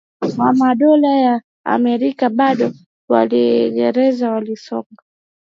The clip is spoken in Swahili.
wa Madola ya Amerika Bado Waingereza walisonga